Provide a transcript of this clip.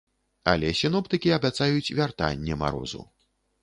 Але сіноптыкі абяцаюць вяртанне марозу.